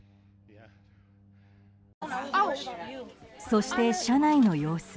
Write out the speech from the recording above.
そして、車内の様子。